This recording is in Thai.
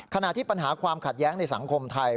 ขณะที่ปัญหาความขัดแย้งในสังคมไทย